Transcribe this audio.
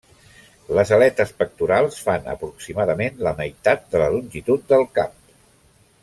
Les aletes pectorals fan aproximadament la meitat de la longitud del cap.